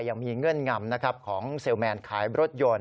ยังมีเงื่อนกำของเซลล์แมนด์ขายรถยนต์